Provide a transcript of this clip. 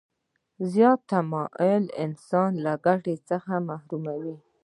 زیات تماعل انسان له ګټې څخه محروموي.